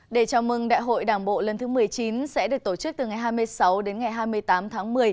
để chào mừng đại hội đảng bộ lần thứ một mươi chín sẽ được tổ chức từ ngày hai mươi sáu đến ngày hai mươi tám tháng một mươi